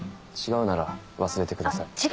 違うなら忘れてください。